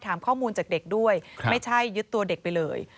ถามข้อมูลจากเด็กด้วยไม่ใช่ยึดตัวเด็กไปเลย